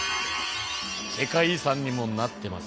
世界遺産にもなってます。